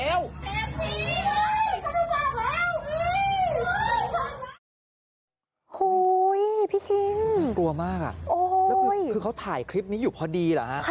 โอ้โฮพี่คิ้งโอ้โฮคือเขาถ่ายคลิปนี้อยู่พอดีหรือคะ